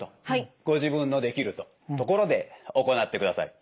ご自分のできるところで行ってください。